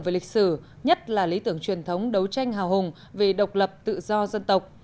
về lịch sử nhất là lý tưởng truyền thống đấu tranh hào hùng về độc lập tự do dân tộc